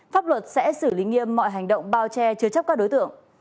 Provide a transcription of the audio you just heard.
pháp luật sẽ xử lý nghiêm mọi hành động bao che chứa chấp các đối tượng